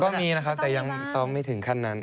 ก็มีนะครับแต่ยังซ้อมไม่ถึงขั้นนั้น